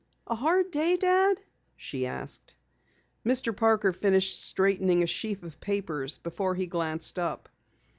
"A hard day, Dad?" she asked. Mr. Parker finished straightening a sheaf of papers before he glanced up.